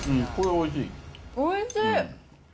おいしい！